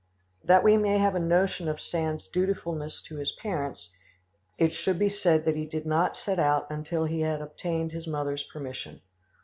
That we may have a notion of Sand's dutifulness to his parents, it should be said that he did not set out until he had obtained his mother's permission.